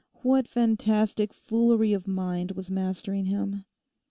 What fantastic foolery of mind was mastering him?